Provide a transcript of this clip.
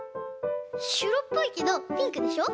しろっぽいけどピンクでしょ？